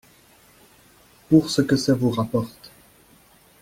Pour ce que ça vous rapporte.